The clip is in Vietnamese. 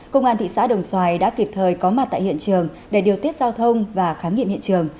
công an thị xã đồng xoài đã kịp thời có mặt tại hiện trường để điều tiết giao thông và khám nghiệm hiện trường